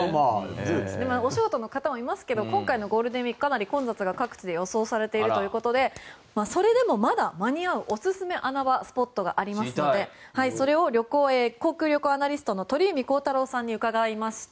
お仕事の方もいますけど今回のゴールデンウィークかなり混雑が各地で予想されているということでそれでもまだ間に合うおすすめ穴場スポットがありますのでそれを航空・旅行アナリストの鳥海高太朗さんに伺いました。